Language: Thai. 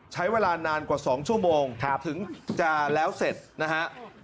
ใช้เวลานานกว่า๒ชั่วโมงถึงจะแล้วเสร็จนะฮะ